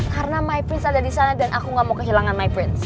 karena my prince ada disana dan aku ga mau kehilangan my prince